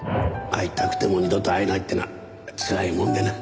会いたくても二度と会えないっていうのはつらいもんでな。